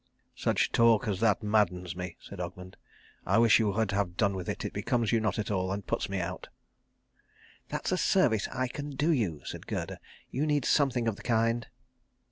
"Such talk as that maddens me," said Ogmund. "I wish you would have done with it. It becomes you not at all, and puts me out." "That's a service I can do you," said Gerda. "You need something of the kind."